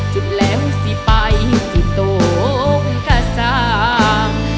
จุดแล้วสิไปที่ตกขสาม